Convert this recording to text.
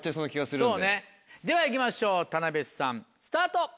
そうねでは行きましょう田辺さんスタート。